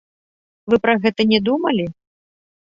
Вы пра гэта не думалі?